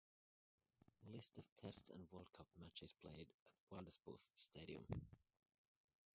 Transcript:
List of Test and World Cup matches played at Wilderspool Stadium.